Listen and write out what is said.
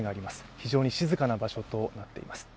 非常に静かな場所となっています。